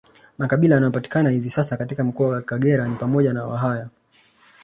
Makabila yanayopatikana hivi sasa katika mkoa wa Kagera ni pamoja na Wahaya